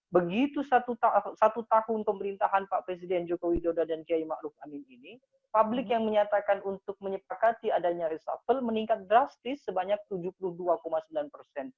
begitu satu tahun pemerintahan pak presiden joko widodo dan kiai ⁇ maruf ⁇ amin ini publik yang menyatakan untuk menyepakati adanya reshuffle meningkat drastis sebanyak tujuh puluh dua sembilan persen